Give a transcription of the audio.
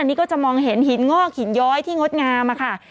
นี่ก็จะมองเห็นหินงอกหินย้อยที่งดงามค่ะ